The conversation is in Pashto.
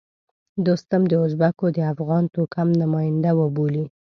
دوستم د ازبکو د افغان توکم نماینده وبولي.